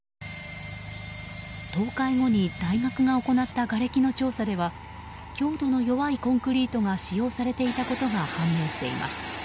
倒壊後に大学が行ったがれきの調査では強度の弱いコンクリートが使用されていたことが判明しています。